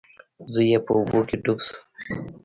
زوی یې په اوبو کې ډوب شو.